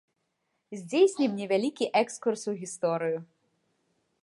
Здзейснім невялікі экскурс у гісторыю.